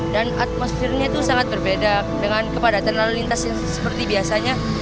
dan atmosfernya itu sangat berbeda dengan kepada terlalu lintas seperti biasanya